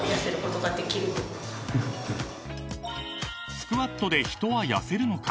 ［スクワットで人は痩せるのか？］